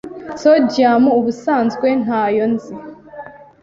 Sodium ubusanzwe ntayo nzi